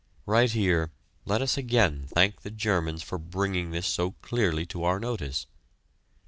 Right here let us again thank the Germans for bringing this so clearly to our notice.